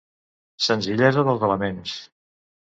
Senzillesa dels elements.